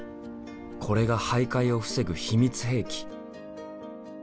これが徘徊を防ぐ秘密兵器。